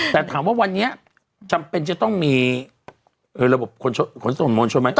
แต่ถามว่าวันนี้จำเป็นจะต้องมีระบบขนส่งมวลชนไหม